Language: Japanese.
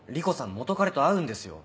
元カレと会うんですよ？